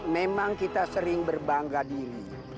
memang kita sering berbangga diri